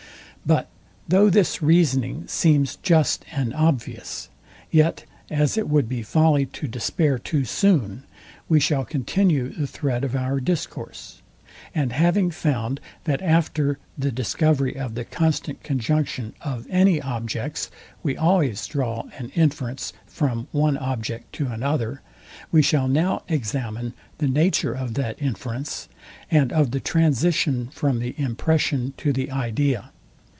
But though this reasoning seems just and obvious; yet as it would be folly to despair too soon, we shall continue the thread of our discourse; and having found, that after the discovery of the constant conjunction of any objects, we always draw an inference from one object to another, we shall now examine the nature of that inference, and of the transition from the impression to the idea.